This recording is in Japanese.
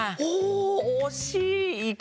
おおおしい！